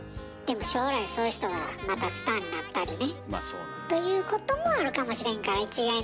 でも将来そういう人がまたスターになったりね。ということもあるかもしれんから一概に言えないですけども。